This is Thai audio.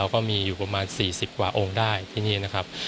ก็มีอยู่ประมาณ๔๐กว่าองค์ได้ที่นี่นะครับ